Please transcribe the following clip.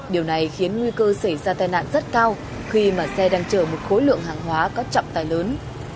điều này khiến nguy cơ xảy ra tai nạn rất cao khi mà xe đang chở một khối lượng hàng hóa có trọng tài lớn